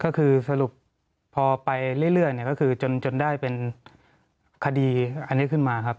ก็คือสรุปพอไปเรื่อยก็คือจนได้เป็นคดีอันนี้ขึ้นมาครับ